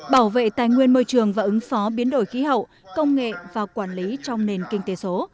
bảo vệ tài nguyên môi trường và ứng phó biến đổi khí hậu công nghệ và quản lý trong nền kinh tế số